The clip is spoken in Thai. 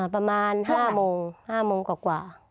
ประมาณ๕โมงกว่ากว่า